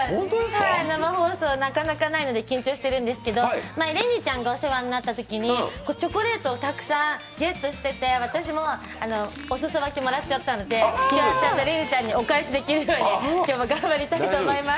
生放送、なかなかないので緊張してるんですけど前にれにちゃんがお世話になったときにチョコレートをたくさんゲットしてて、私もお裾分けもらっちゃったので、今日はちゃんとれにちゃんにお返しできるように頑張りたいと思います。